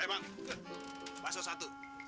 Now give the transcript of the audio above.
eh bang basuh satu